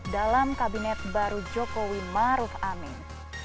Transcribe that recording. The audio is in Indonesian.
dalam kabinet baru jokowi maruf amin